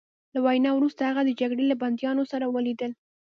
له وینا وروسته هغه د جګړې له بندیانو سره ولیدل